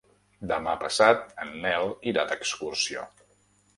Demà passat en Nel irà d'excursió.